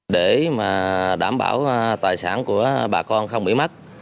để mà đảm bảo tài sản của bà con không bị mất